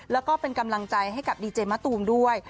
แล้วก็เป็นกำลังใจให้กับดีเจมะตูมด้วย